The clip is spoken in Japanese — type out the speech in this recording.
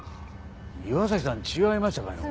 「岩崎さん」違いましたかいのう？